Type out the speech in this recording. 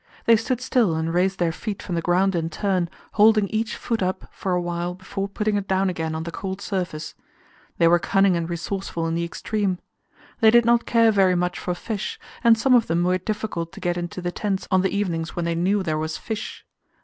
They stood still and raised their feet from the ground in turn, holding each foot up for a while before putting it down again on the cold surface. They were cunning and resourceful in the extreme. They did not care very much for fish, and some of them were difficult to get into the tents on the evenings when they knew there was fish.